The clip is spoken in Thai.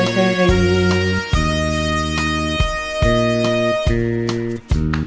เสนอเอิ้น